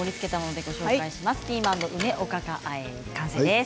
ピーマンの梅おかかあえ完成です。